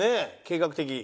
計画的。